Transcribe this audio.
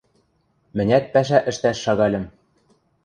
Мӹнят пӓшӓ ӹштӓш шагальым.